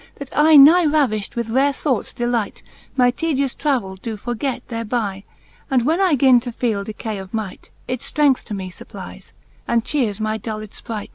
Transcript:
That I, nigh ravifht with rare thoughts delight, My tedious travell doe forget thereby; And when I gin to feele decay of might, It ftrength to me fupplies, and chears my dulled fpright.